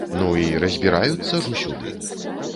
Ну, і разбіраюцца ж усюды.